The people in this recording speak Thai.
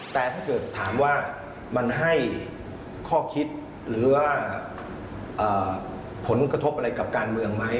แต่ถ้าเกิดถามว่ามันให้ข้อคิดหรือว่าผลกระทบอะไรกับการเมืองไหม